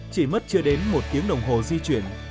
chỉ mất chưa đến một tiếng đồng hồ di chuyển